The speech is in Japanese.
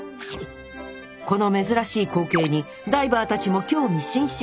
この珍しい光景にダイバーたちも興味津々。